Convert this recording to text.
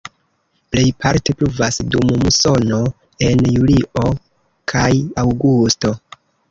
Plejparte pluvas dum musono en julio kaj aŭgusto.